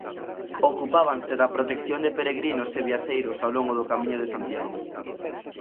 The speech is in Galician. Ocupábanse da protección de peregrinos e viaxeiros ao longo do Camiño de Santiago.